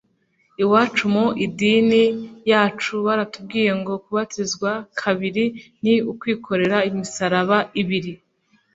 Iwacu mu idini yacu baratubwiye ngo kubatizwa kabiri ni ukwikorera imisaraba ibiri